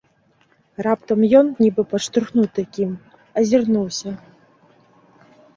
Раптам ён, нібы падштурхнуты кім, азірнуўся.